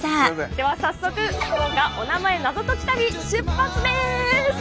では早速福岡おなまえナゾ解き旅出発です！